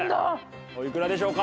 おいくらでしょうか？